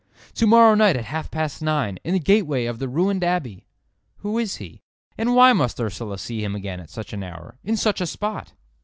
To morrow night at half past nine! In the gateway of the ruined abbey!' Who is he? And why must Ursula see him again at such an hour, in such a spot?"